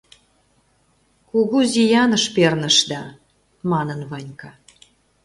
— Кугу зияныш пернышда, — манын Ванька.